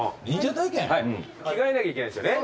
着替えなきゃいけないんですよね？